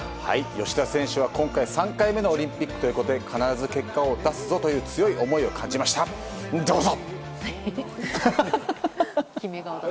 吉田選手は今回、３回目のオリンピックということで必ず結果を出すぞという強い思いを感じました、どうぞ。